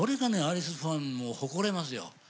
アリスファンを誇れますよ。